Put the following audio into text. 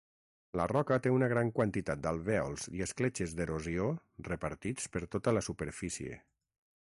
La roca té una gran quantitat d'alvèols i escletxes d'erosió repartits per tota la superfície.